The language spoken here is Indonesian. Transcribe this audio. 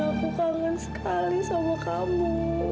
aku kangen sekali sama kamu